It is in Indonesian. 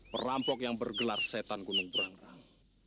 perampok yang bergelar setan gunung berang rang